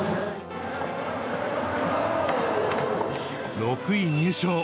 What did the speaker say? ６位入賞。